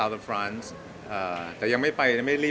เก๋จะมีโอกาสได้ชุดคู่กับผู้ชายที่สุดของเก๋